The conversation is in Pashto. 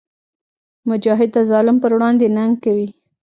مجاهد د ظالم پر وړاندې ننګ کوي.